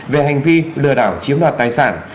về hành vi lừa đảo chiếm đoạt tài sản